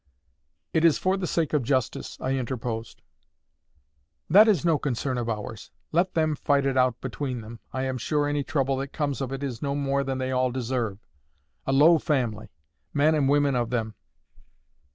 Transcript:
"It is for the sake of justice," I interposed. "That is no concern of ours. Let them fight it out between them, I am sure any trouble that comes of it is no more than they all deserve. A low family—men and women of them."